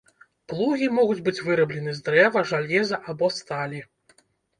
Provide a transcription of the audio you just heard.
Плугі могуць быць выраблены з дрэва, жалеза або сталі.